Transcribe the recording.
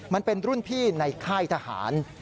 มันเป็นรุ่นพี่ในค่ายทหาร